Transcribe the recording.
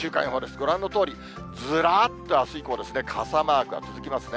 ご覧のとおり、ずらっとあす以降、傘マークが続きますね。